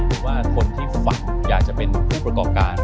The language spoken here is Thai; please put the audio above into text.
เพราะว่าคนที่ฝันอยากจะเป็นผู้ประกอบการ